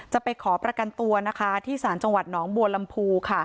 จะไปขอระกันตัวที่สถานที่ากน้องบวลมพู